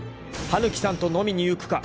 ［羽貫さんと飲みに行くか。